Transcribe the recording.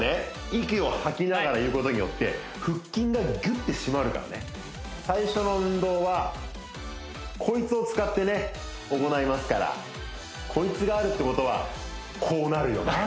息を吐きながら言うことによって最初の運動はこいつを使ってね行いますからこいつがあるってことはこうなるよな